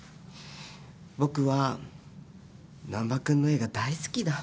僕は難破君の絵が大好きだ。